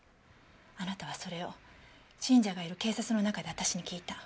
あなたはそれを信者がいる警察の中で私に聞いた。